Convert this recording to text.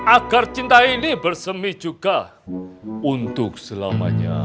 agar cinta ini bersemi juga untuk selamanya